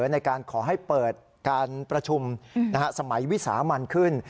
ในการขอให้เปิดการประชุมสมัยวิสามันขึ้น